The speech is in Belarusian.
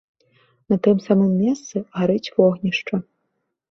На тым самым месцы гарыць вогнішча.